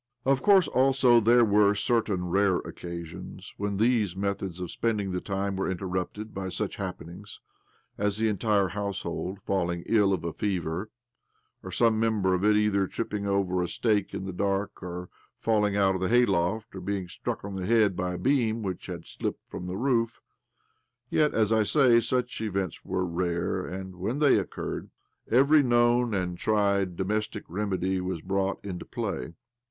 Of course, also, there were certain rare occasions when these methods of spending the time were interrupted by such happen ings as the entire household falling ill of a fever, or some member of it either tripping over a stake in the dark or falling out of the hayloft or being struck on the head by a beam which had slipped from the roof. Yet, as I say, such events were rare, and when they occurred, every known and tried domestic remedy was brought into play.